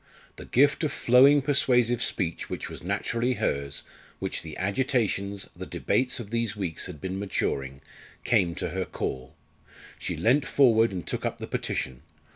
The gift of flowing persuasive speech which was naturally hers, which the agitations, the debates of these weeks had been maturing, came to her call. She leant forward and took up the petition.